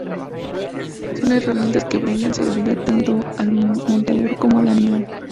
Son herramientas que brindan seguridad tanto al montador como al animal.